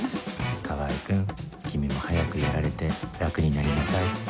川合君君も早くやられて楽になりなさい